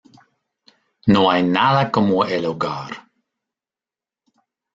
¡ No hay nada como el hogar!